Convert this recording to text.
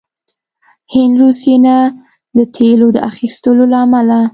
هند روسيې نه د تیلو د اخیستلو له امله